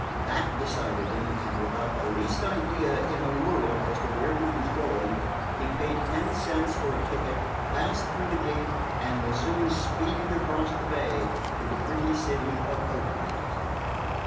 That decided him, and without the least idea in the world as to where he was going, he paid ten cents for a ticket, passed through the gate, and was soon speeding across the bay to the pretty city of Oakland.